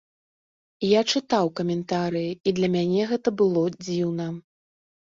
Я чытаў каментарыі, і для мяне гэта было дзіўна.